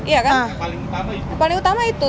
yang paling utama itu